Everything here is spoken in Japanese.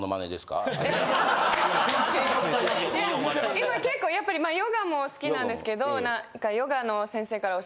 今結構やっぱりヨガも好きなんですけど。